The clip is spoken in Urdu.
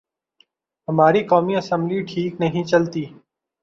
ہماری قومی اسمبلی ٹھیک نہیں چلتی۔